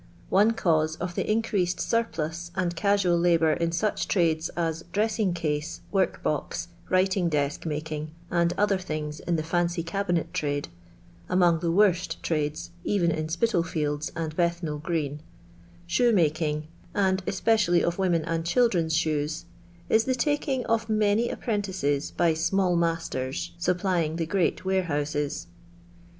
Ono cause of the incre<ised surplus and casual libour in such trades as dressing case, work box, writing desk making and other things in the fancy cabinet trade (among the worst trades even in S^italiields and Bethnal Green), shoemaking, and especially of women and children's shoes, is the taking of many apprentices by small masters (sup plying the great warehouses).